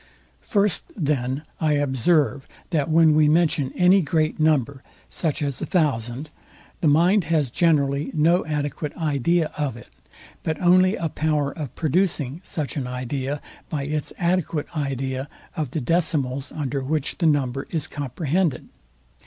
First then I observe, that when we mention any great number, such as a thousand, the mind has generally no adequate idea of it, but only a power of producing such an idea, by its adequate idea of the decimals, under which the number is comprehended.